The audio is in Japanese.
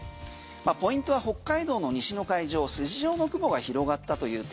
ポイントは北海道の西の海上筋状の雲が広がったという点。